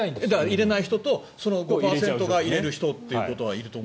入れない人とその５％がと入れる人とはいると思う。